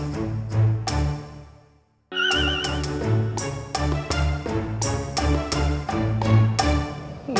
antum tau dimana letak sorga setelah dibawah telapak kaki ibu